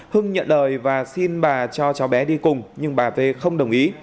hưng nhận lời và xin bà cho cháu bé đi cùng nhưng bà v không đồng ý